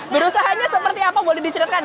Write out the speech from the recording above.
berusahanya seperti apa boleh diceritakan